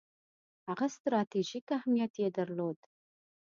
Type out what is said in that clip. هغه ستراتیژیک اهمیت یې درلود.